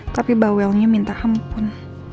tapi bawelnya minta ampun